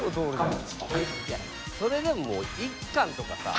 「それでも１貫とかさ」